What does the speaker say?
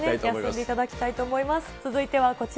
休んでいただきたいと思います。